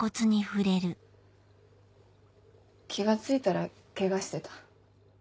気が付いたらケガしてた。